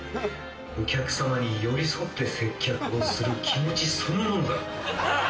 お客さまに寄り添って接客をする気持ちそのものだ。